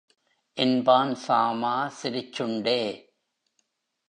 என்பான் சாமா சிரிச்சுண்டே.